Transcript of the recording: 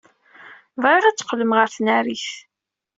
Bɣiɣ ad d-teqqlem ɣer tnarit.